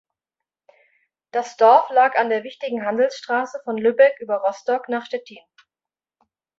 Das Dorf lag an der wichtigen Handelsstraße von Lübeck über Rostock nach Stettin.